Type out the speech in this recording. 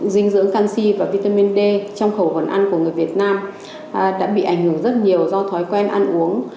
dinh dưỡng canxi và vitamin d trong khẩu phần ăn của người việt nam đã bị ảnh hưởng rất nhiều do thói quen ăn uống